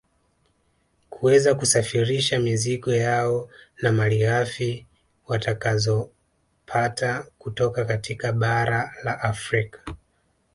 Kuweza kusafirisha mizigo yao na malighafi watakazopata kutoka katika bara la Afrika